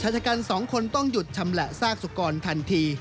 ชาชการสองคนต้องหยุดชำแหลซากสุกรทันที